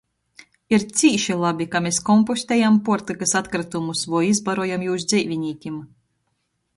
Ir cīši labi, ka mes kompostejam puortykys atkrytumus voi izbarojam jūs dzeivinīkim.